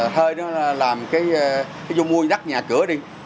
thơi nó làm cái vô mua đắt nhà cửa đi